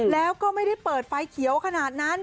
แล้วก็ไม่ได้เปิดไฟเขียวขนาดนั้น